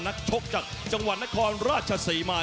นักชกจากจังหวัดนครราชสีมาน